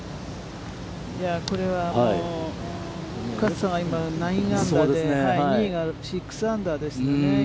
これはもう、勝さんが９アンダーで２位が６アンダーですよね。